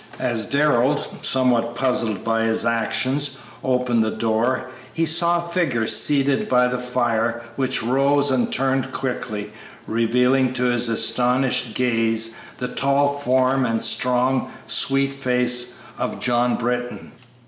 As Darrell, somewhat puzzled by his actions, opened the door, he saw a figure seated by the fire, which rose and turned quickly, revealing to his astonished gaze the tall form and strong, sweet face of John Britton.